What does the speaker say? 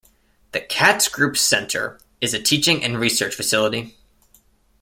The Katz Group Centre is a teaching and research facility.